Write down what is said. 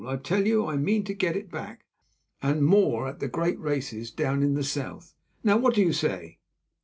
I tell you I mean to get it back, and more, at the great races down in the south. Now what do you say?"